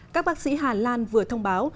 các bác sĩ hà lan vừa thông báo